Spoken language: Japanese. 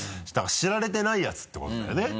だから知られてないやつってことだよね？